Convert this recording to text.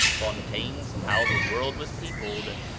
(Fontaine's "How the World was Peopled," pp.